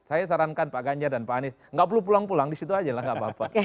saya sarankan pak ganyar dan pak anies tidak perlu pulang pulang disitu saja tidak apa apa